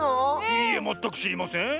いいえまったくしりません。